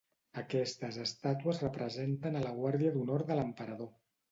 Aquestes estàtues representen a la guàrdia d'honor de l'emperador.